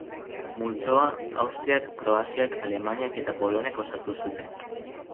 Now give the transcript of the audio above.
Multzoa Austriak, Kroaziak, Alemaniak eta Poloniak osatu zuten.